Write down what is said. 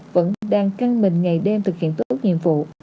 vẫn đang căng mình ngày đêm thực hiện tốt nhiệm vụ